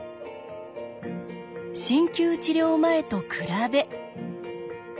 鍼灸治療前と比べ。